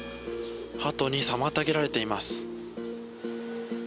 ハトに妨げられています。